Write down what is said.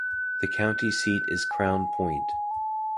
The county seat is Crown Point.